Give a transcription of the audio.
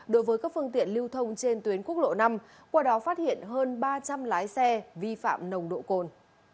đối với các phương tiện lưu thông trên tuyến quốc lộ năm qua đó phát hiện hơn ba trăm linh lái xe vi phạm nồng độ cồn